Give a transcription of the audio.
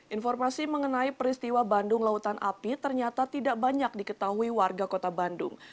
informasi mengenai peristiwa bandung lautan api ternyata tidak banyak diketahui warga kota bandung